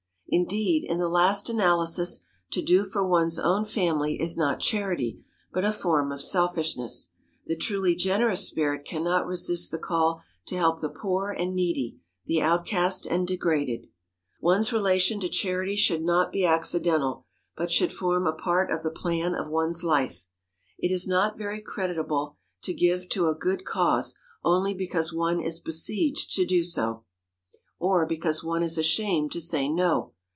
Indeed, in the last analysis, to do for one's own family is not charity, but a form of selfishness. The truly generous spirit can not resist the call to help the poor and needy, the outcast and degraded. One's relation to charity should not be accidental, but should form a part of the plan of one's life. It is not very creditable to give to a good cause only because one is besieged to do so, or because one is ashamed to say "no."